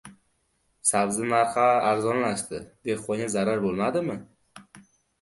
Sabzi narxi arzonlashdi: dehqonga zarar bo‘lmadimi?